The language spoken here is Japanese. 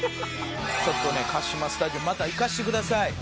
ちょっとねカシマスタジアムまた行かせてください。